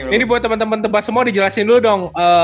ini buat teman teman tempat semua dijelasin dulu dong